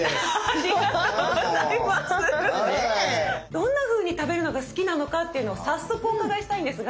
どんなふうに食べるのが好きなのかっていうのを早速お伺いしたいんですが。